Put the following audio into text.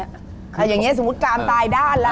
อย่างนี้สมมุติกามตายด้านละ